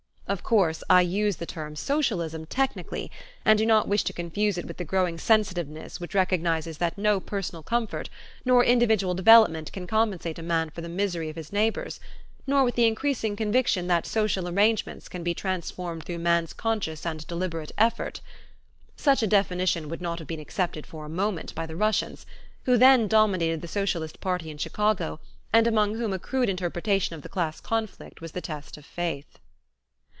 Of course I use the term "socialism" technically and do not wish to confuse it with the growing sensitiveness which recognizes that no personal comfort, nor individual development can compensate a man for the misery of his neighbors, nor with the increasing conviction that social arrangements can be transformed through man's conscious and deliberate effort. Such a definition would not have been accepted for a moment by the Russians, who then dominated the socialist party in Chicago and among whom a crude interpretation of the class conflict was the test of faith.